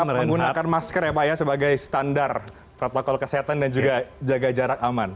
tetap menggunakan masker ya pak ya sebagai standar protokol kesehatan dan juga jaga jarak aman